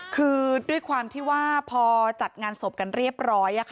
คือด้วยความที่ว่าพอจัดงานศพกันเรียบร้อย